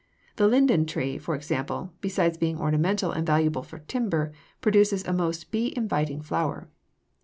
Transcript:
The linden tree, for example, besides being ornamental and valuable for timber, produces a most bee inviting flower.